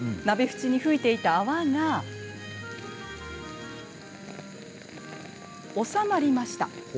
鍋縁に噴いていた泡がおさまりました。